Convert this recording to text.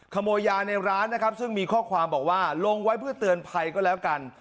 ขโมยยาในร้านนะครับซึ่งมีข้อความบอกว่าลงไว้เพื่อเตือนภัยก็แล้วกัน